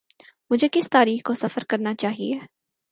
مجھے کس تاریخ کو سفر کرنا چاہیے۔